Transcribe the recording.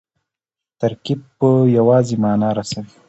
ترکیب یوازي مانا رسوي.